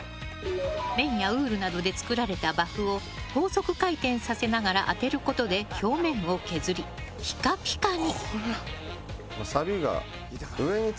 綿やウールなどで作られたバフを高速回転させながら当てることで表面を削り、ピカピカに。